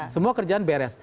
semua kerjaan beres